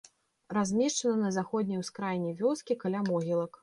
Размешчана на заходняй ускраіне вёскі, каля могілак.